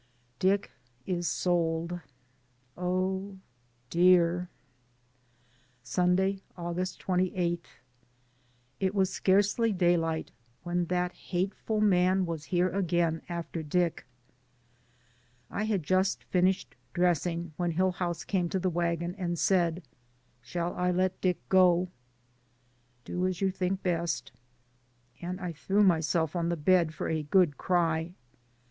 DICK IS SOLD. OH, DEAR. Sunday, August 28. It was scarcely daylight when that hateful man was here again after Dick. I had just finished dressing when Hillhouse came to the wagon and said : "Shall I let Dick go?" "Do as you think best." And I threw my self on the bed for a good cry.